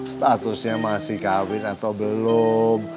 statusnya masih kawin atau belum